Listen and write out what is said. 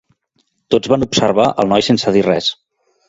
Tots van observar el noi sense dir res.